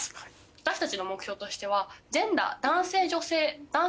私たちの目標としてはジェンダー男性女性。